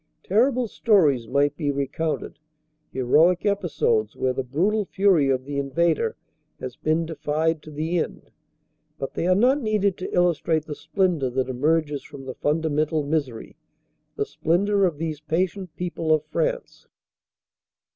Ter rible stories might be recounted; heroic episodes where the brutal fury of the invader has been defied to the end. But they are not needed to illustrate the splendor that emerges from the fundamental misery, the splendor of these patient people of France.